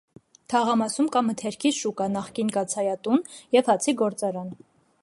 Թաղամասում կա մթերքի շուկա (նախկին կաթսայատուն) և հացի գործարան։